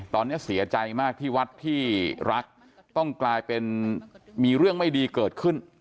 ตอนนี้เสียใจมากที่วัดที่รักต้องกลายเป็นมีเรื่องไม่ดีเกิดขึ้น